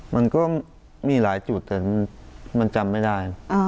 มันก็มีหลายจุดแต่มันจำไม่ได้